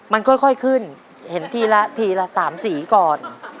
มันค่อยขึ้นเห็นทีละทีละ๓สีก่อน